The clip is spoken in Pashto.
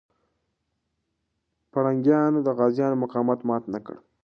پرنګیانو د غازيانو مقاومت مات نه کړ.